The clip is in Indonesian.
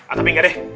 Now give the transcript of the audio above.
atapin aja deh